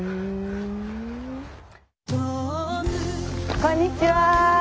こんにちは。